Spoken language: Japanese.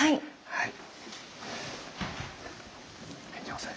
はい。